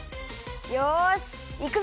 よしいくぞ！